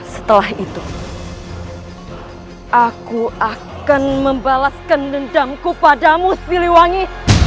setelah itu aku akan membalaskan dendamku padamu siliwangi